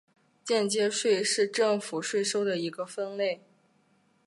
间接税是政府税收的一个分类。